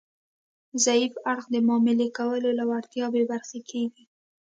ضعیف اړخ د معاملې کولو له وړتیا بې برخې کیږي